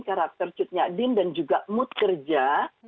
karakter cutnya din dan juga mood kerja